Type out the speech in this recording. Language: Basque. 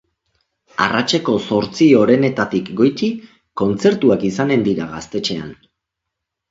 Arratseko zortzi orenetatik goiti kontzertuak izanen dira gaztetxean.